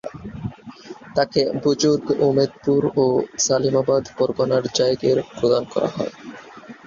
তাঁকে বুযুর্গ উমেদপুর ও সলিমাবাদ পরগনার জায়গির প্রদান করা হয়।